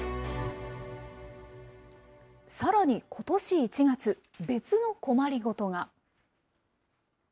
さらに、ことし１月、別の困り事が。